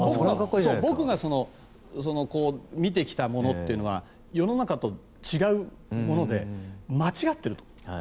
僕が見てきたものというのは世の中と違うもので間違ってると。